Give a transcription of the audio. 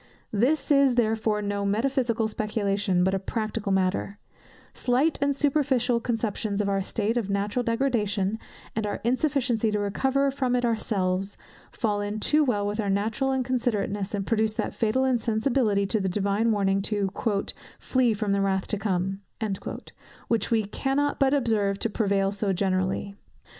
This is therefore no metaphysical speculation, but a practical matter: Slight and superficial conceptions of our state of natural degradation, and of our insufficiency to recover from it of ourselves, fall in too well with our natural inconsiderateness, and produce that fatal insensibility to the divine warning to "flee from the wrath to come," which we cannot but observe to prevail so generally.